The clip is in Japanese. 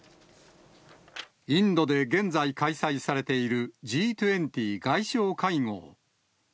インドで現在開催されている、Ｇ２０外相会合。